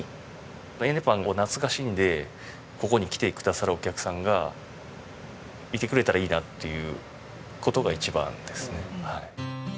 えんねパンを懐かしんでここに来てくださるお客さんがいてくれたらいいなっていう事が一番ですね。